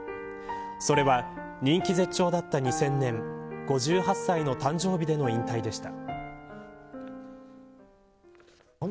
それは人気絶頂だった２０００年５８歳の誕生日での引退でした。